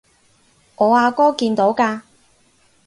我阿哥見到㗎